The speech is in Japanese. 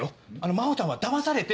真帆ちゃんはだまされて。